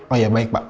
oh iya baik pak